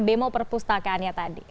demo perpustakaannya tadi